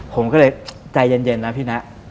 ผมก็เลยใจเย็นนะพี่นะ